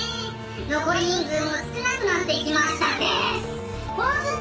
「残り人数も少なくなってきましたデス」